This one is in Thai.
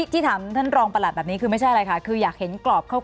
ที่ถามท่านรองประหลัดแบบนี้คือไม่ใช่อะไรค่ะคืออยากเห็นกรอบคร่าว